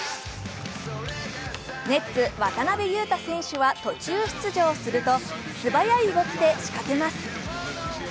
ネッツ・渡邊雄太選手は途中出場すると素早い動きで仕掛けます。